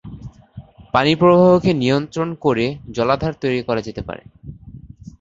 পানির প্রবাহকে নিয়ন্ত্রণ করে জলাধার তৈরী করা যেতে পারে।